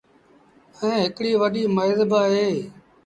ائيٚݩ هڪڙيٚ وڏيٚ ميز با اهي۔